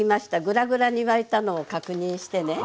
グラグラに沸いたのを確認してね。